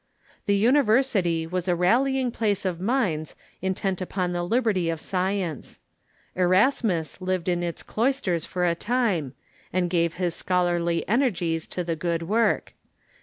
The university was a rallying place of minds intent upon the liberty of science. Erasmus lived in its cloisters for a time, and gave his scholarly ener gies to the good work.